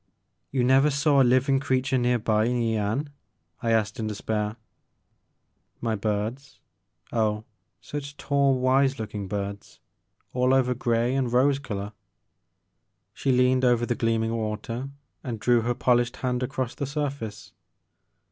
*' "You never saw a living creature near by in Yian ?I asked in despair. "My birds, oh such tall, wise looking birds, all over grey and rose color." She leaned over the gleaming water and drew her polished hand across the sur&ce.